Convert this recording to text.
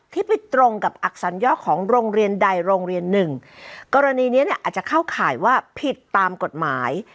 ที่ไปตรงกับอักษรย่อของโรงเรียนใดโรงเรียนหนึ่งกรณีเนี้ยอาจจะเข้าข่ายว่าผิดตามกฎหมาย